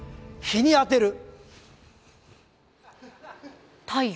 日にあてる。